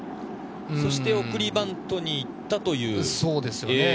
そして送りバントに行ったという場面です。